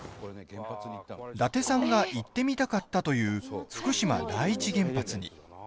伊達さんが行ってみたかったという福島第一原発に。